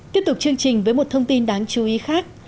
tiếp tục chương trình với một thông tin đáng chú ý khác